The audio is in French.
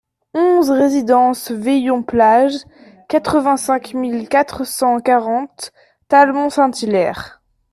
onze résidence Veillon Plage, quatre-vingt-cinq mille quatre cent quarante Talmont-Saint-Hilaire